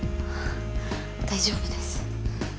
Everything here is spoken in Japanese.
大丈夫です。